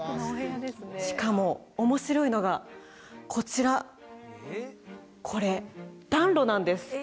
しかも面白いのがこちらこれ暖炉なんです